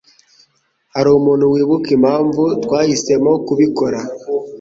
Hari umuntu wibuka impamvu twahisemo kubikora?